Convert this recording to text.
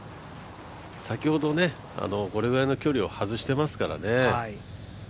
先ほど、これぐらいの距離を外していますからね。